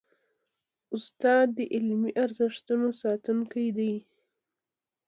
استاد د علمي ارزښتونو ساتونکی دی.